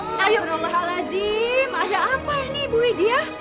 alhamdulillah al azim ada apa ini bu widya